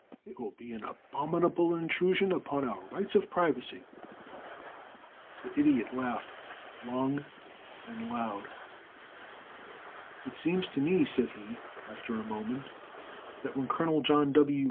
It will be an abominable intrusion upon our rights of privacy." The Idiot laughed long and loud. "It seems to me," said he, after a moment, "that when Colonel John W.